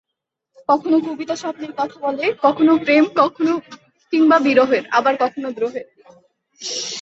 কখনো কবিতা স্বপ্নের কথা বলে, কখনো প্রেম কিংবা বিরহের, আবার কখনো দ্রোহের।